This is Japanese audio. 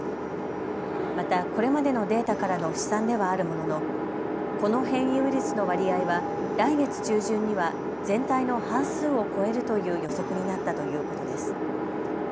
また、これまでのデータからの試算ではあるもののこの変異ウイルスの割合は来月中旬には全体の半数を超えるという予測になったということです。